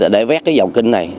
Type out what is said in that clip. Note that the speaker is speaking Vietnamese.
để vét cái dòng kinh này